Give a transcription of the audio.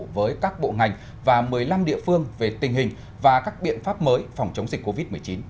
với các bộ ngành và một mươi năm địa phương về tình hình và các biện pháp mới phòng chống dịch covid một mươi chín